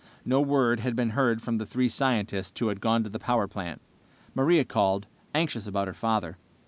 No word had been heard from the three scientists who had gone to the power plant. Maria called, anxious about her father.